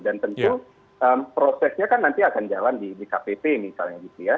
dan tentu prosesnya kan nanti akan jalan di dkpp misalnya gitu ya